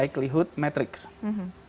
ini adalah alat untuk melakukan asesori